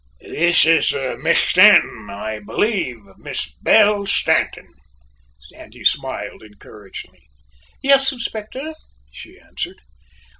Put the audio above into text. "This is Miss Stanton, I believe, Miss Belle Stanton?" and he smiled encouragingly. "Yes, Inspector," she answered.